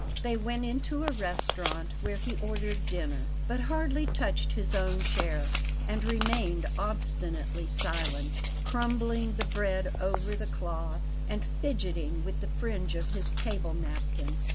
They went into a restaurant, where he ordered dinner, but hardly touched his own share, and remained obstinately silent, crumbling the bread over the cloth, and fidgeting with the fringe of his table napkin.